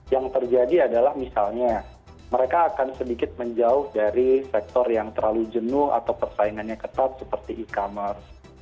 yang terjadi adalah misalnya mereka akan sedikit menjauh dari sektor yang terlalu jenuh atau persaingannya ketat seperti e commerce